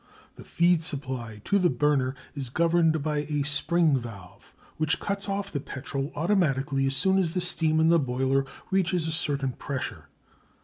The feed supply to the burner is governed by a spring valve, which cuts off the petrol automatically as soon as the steam in the boiler reaches a certain pressure.